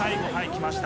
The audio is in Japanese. きました。